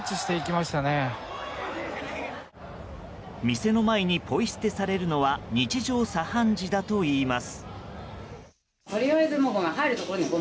店の前にポイ捨てされるのは日常茶飯事だといいます。